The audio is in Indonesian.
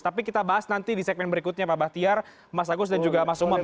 tapi kita bahas nanti di segmen berikutnya pak bahtiar mas agus dan juga mas umam